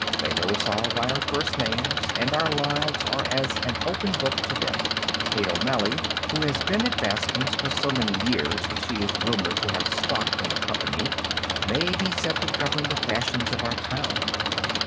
They know us all by our first names, and our lives are as an open book to them. Kate O'Malley, who has been at Bascom's for so many years that she is rumored to have stock in the company, may be said to govern the fashions of our town.